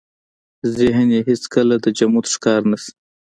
ذهن يې هېڅ کله د جمود ښکار نه شي.